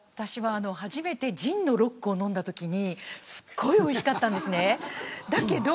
初めてジンのロックを飲んだときすごくおいしかったんです。